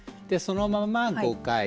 そのまま５回。